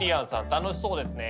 楽しそうですね。